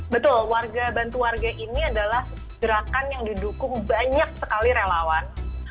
betul warga bantu warga ini adalah gerakan yang didukung banyak sekali relawan